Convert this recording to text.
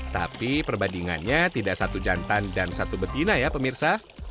tapi perbandingannya tidak satu jantan dan satu betina ya pemirsa